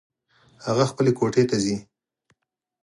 هغه خپلې کوټې ته ځي